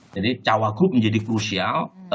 jadi cawagup menjadi krusial